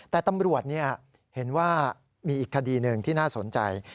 แต่ตำรวจเห็นว่ามีอีกคดีหนึ่งที่น่าสนใจ